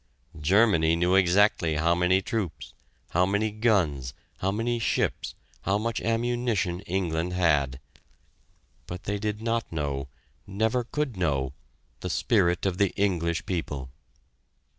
Germany knew exactly how many troops, how many guns, how many ships, how much ammunition England had; but they did not know never could know the spirit of the English people!